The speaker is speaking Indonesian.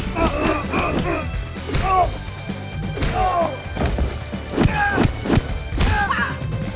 kita berangkat sekarang